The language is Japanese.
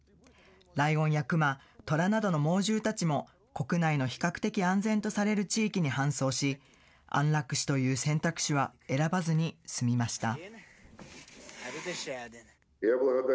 ライオンやクマ、トラなどの猛獣たちも、国内の比較的安全とされる地域に搬送し、安楽死という選択肢は選ばずに済みました。